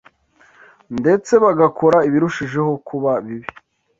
ndetse bagakora ibirushijeho kuba bibi!